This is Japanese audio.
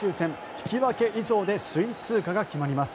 引き分け以上で首位通過が決まります。